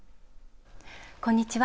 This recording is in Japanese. こんにちは。